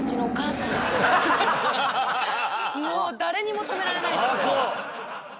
もう誰にも止められないです。